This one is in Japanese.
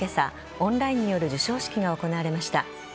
オンラインによる授賞式が行われました。